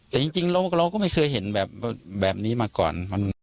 แต่จริงเราก็ไม่เคยเห็นแบบนี้มาก่อน